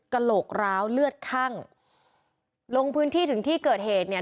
กระโหลกร้าวเลือดคั่งลงพื้นที่ถึงที่เกิดเหตุเนี่ย